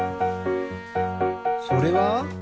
それは？